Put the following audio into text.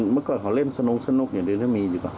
เมื่อก่อนเขาเล่นสนุกอย่างเดียวมีหรือเปล่า